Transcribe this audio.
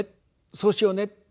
そうしようね」って。